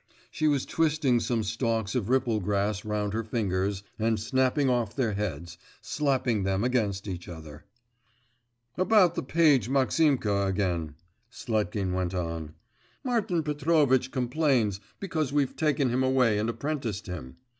She was twisting some stalks of ripple grass round her fingers and snapping off their heads, slapping them against each other. 'About the page Maximka again,' Sletkin went on, 'Martin Petrovitch complains because we've taken him away and apprenticed him.